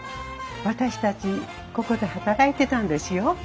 私たちここで働いてたんですよ。